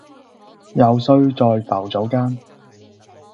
揉碎在浮藻間